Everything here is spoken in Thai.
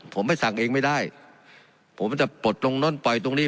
ผมไม่สั่งเองไม่ได้ผมจะปลดตรงนู้นปล่อยตรงนี้